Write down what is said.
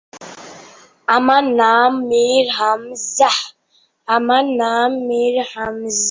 অংশগ্রহণকৃত খেলা দুটি দক্ষিণ আফ্রিকার মাটিতে প্রথম দুইটি প্রথম-শ্রেণীর ক্রিকেট খেলা ছিল।